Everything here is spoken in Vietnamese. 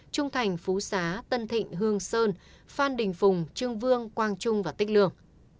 trung thành phú xá tân thịnh hương sơn phan đình phùng trương vương quang trung và tích lương